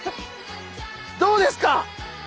どうですか。